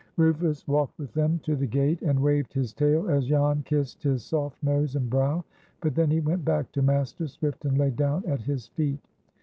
Rufus walked with them to the gate, and waved his tail as Jan kissed his soft nose and brow, but then he went back to Master Swift and lay down at his feet.